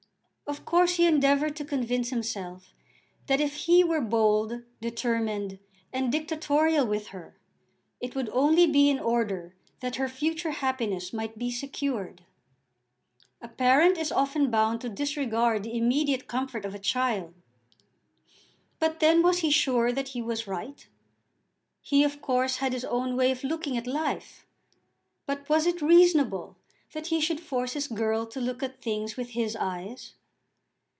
Of course he endeavoured to convince himself that if he were bold, determined, and dictatorial with her, it would only be in order that her future happiness might be secured. A parent is often bound to disregard the immediate comfort of a child. But then was he sure that he was right? He of course had his own way of looking at life, but was it reasonable that he should force his girl to look at things with his eyes?